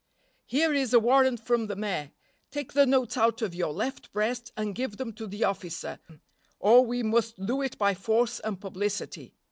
"Here is a warrant from the mayor. Take the notes out of your left breast and give them to the officer, or we must do it by force and publicity."